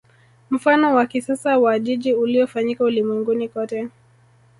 Mfano wa kisasa wa jiji uliofanyika ulimwenguni kote